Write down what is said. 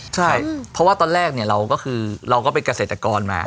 ใช่เพราะว่าตอนแรกเราก็คือเกษตรกรมา